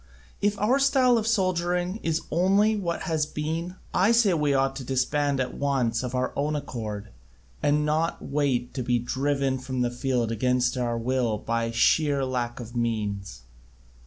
If our style of soldiering is to be only what it has been, I say we ought to disband at once of our own accord, and not wait to be driven from the field against our will by sheer lack of means.